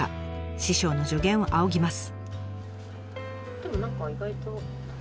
師匠の助言を仰ぎます。